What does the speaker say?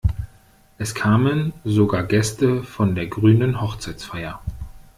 Es kamen sogar Gäste von der grünen Hochzeitsfeier.